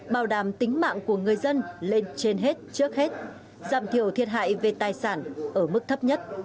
bảo đảm tính mạng của người dân lên trên hết trước hết giảm thiểu thiệt hại về tài sản ở mức thấp nhất